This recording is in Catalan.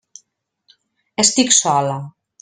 Estic sola.